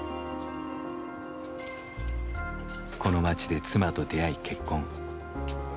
この町で妻と出会い結婚。